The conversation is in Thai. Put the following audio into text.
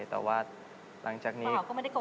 แต่ว่าหลังจากนี้